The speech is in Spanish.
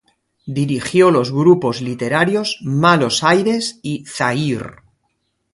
Dirigió los grupos literarios "Malos Ayres" y "Zahir".